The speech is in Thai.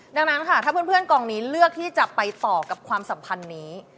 ดังนั้นค่ะถ้าเพื่อนกองนี้เลือกที่จะไปต่อกับความสัมพันธ์นี้